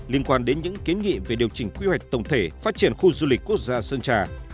liên quan đến những kiến nghị về điều chỉnh quy hoạch tổng thể phát triển khu du lịch quốc gia sơn trà